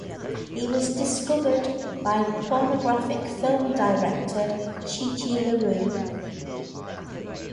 He was discovered by pornographic film director Chi Chi LaRue.